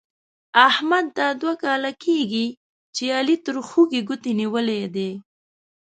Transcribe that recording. احمد دا دوه کاله کېږي چې علي تر خوږ ګوتې نيولې دی.